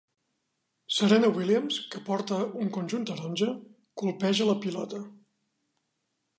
Serena Williams, que porta un conjunt taronja, colpeja la pilota